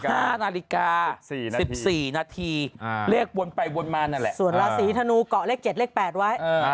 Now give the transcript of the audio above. ห้านาฬิกาสี่สิบสี่นาทีอ่าเลขวนไปวนมานั่นแหละส่วนราศีธนูเกาะเลขเจ็ดเลขแปดไว้อ่า